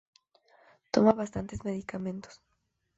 Toma bastantes medicamentos.